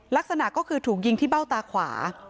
ลักษณะก็คือถูกยิงที่เบ้าตาขวา